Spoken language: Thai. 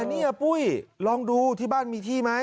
นี่ปุ้ยลองดูที่บ้านมีที่ไหม